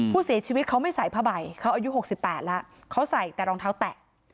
ผู้เสียชีวิตเขาไม่ใส่ผ้าใบเขาอายุ๖๘แล้วเขาใส่แต่รองเท้าแตะ